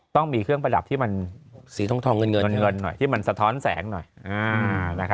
ต้องมีเครื่องประดับที่มันสีทองเงินหน่อยที่มันสะท้อนแสงหน่อย